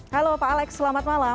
halo pak alex selamat malam